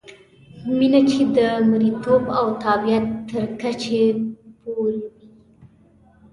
مینه چې د مریتوب او تابعیت تر کچې پورې وي.